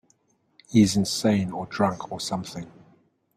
He's insane or drunk or something.